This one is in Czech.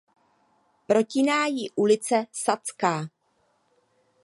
Protíná ji ulice Sadská.